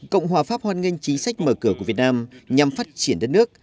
cộng hòa pháp hoan nghênh chính sách mở cửa của việt nam nhằm phát triển đất nước